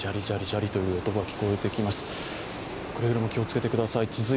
くれぐれも気をつけてください。